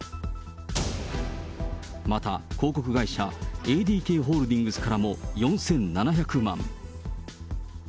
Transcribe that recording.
また広告会社、ＡＤＫホールディングスからも４７００万。